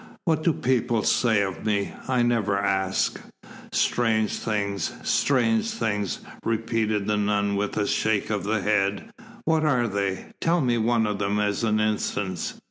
"What do people say of me? I never asked." "Strange things, strange things," repeated the nun with a shake of the head. "What are they? Tell me one of them, as an instance."